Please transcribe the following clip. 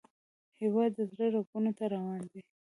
هیواد د زړه رګونو ته روان دی